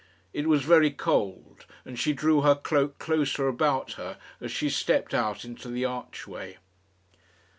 It was very cold, and she drew her cloak closer about her as she stepped out into the archway.